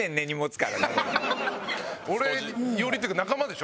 俺寄りっていうか仲間でしょ？